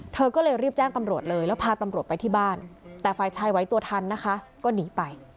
เธอก็เลยรีบแจ้งตำรวจเลยแล้วพาตำรวจไปที่บ้านแต่ฝ่ายชายไว้ตัวทันนะคะก็หนีไป